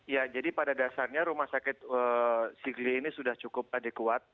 ya jadi pada dasarnya rumah sakit sigli ini sudah cukup adekuat